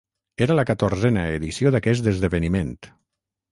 Era la catorzena edició d'aquest esdeveniment.